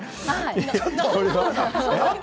ちょっと！